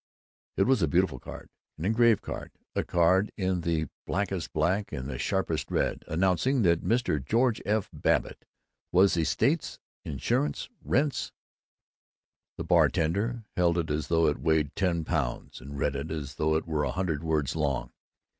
It was a beautiful card, an engraved card, a card in the blackest black and the sharpest red, announcing that Mr. George F. Babbitt was Estates, Insurance, Rents. The bartender held it as though it weighed ten pounds, and read it as though it were a hundred words long.